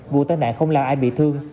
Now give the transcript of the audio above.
vụ tai nạn không làm ai bị thương